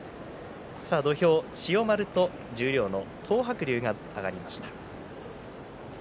土俵、千代丸と十両東白龍が上がりました。